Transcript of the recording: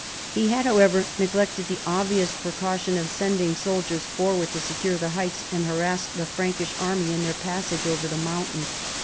He had, however, neglected the obvious precaution of sending soldiers forward to secure the heights and harass the Prankish army in their passage over the mountain.